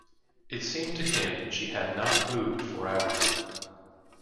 It seemed to him she had not moved for hours.